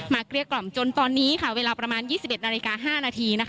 เกลี้ยกล่อมจนตอนนี้เวลาประมาณ๒๑นาฬิกา๕นาที